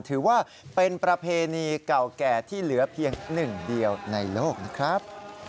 ถือว่าเป็นประเพณีเก่าแก่ที่เหลือเพียงหนึ่งเดียวในโลกนะครับ